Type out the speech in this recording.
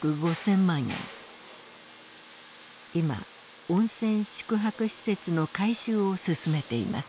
今温泉宿泊施設の改修を進めています。